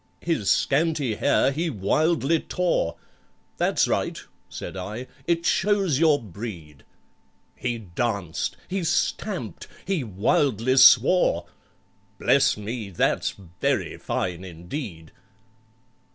His scanty hair he wildly tore: "That's right," said I, "it shows your breed." He danced—he stamped—he wildly swore— "Bless me, that's very fine indeed!"